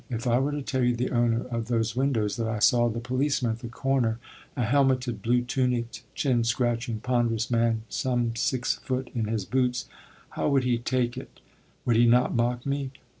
If I were to tell the owner of those windows that I saw the policeman at the corner, a helmeted, blue tunicked, chin scratching, ponderous man, some six foot in his boots, how would he take it? Would he not mock me?